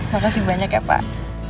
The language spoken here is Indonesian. gak pasti banyak ya pak